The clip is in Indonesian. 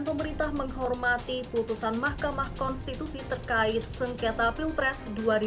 pemerintah menghormati putusan mahkamah konstitusi terkait sengketa pilpres dua ribu sembilan belas